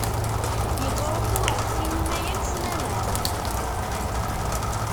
Yettṛuḥu ar ssinima yal ssmana.